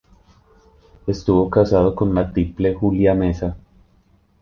Estuvo casado con la tiple Julia Mesa.